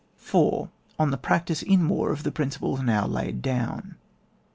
IV.—ON THE PRACTICE IN WAR OF THE PRINCIPLES NOW LAD) DOWN.